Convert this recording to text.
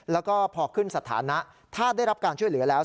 แล้วก็พอขึ้นสถานะถ้าได้รับการช่วยเหลือแล้ว